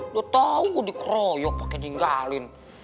dia tau gue dikeroyok pake ninggalin